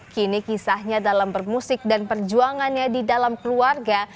kini kisahnya dalam bermusik dan perjuangannya di dalam keluarga